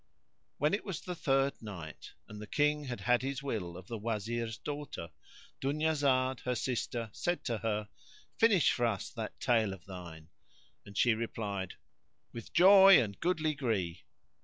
When it was the Third Night, And the King had had his will of the Wazir's daughter, Dunyazad, her sister, said to her, "Finish for us that tale of thine;" and she replied, "With joy and goodly gree!